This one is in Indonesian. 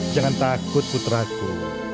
jangan takut putraku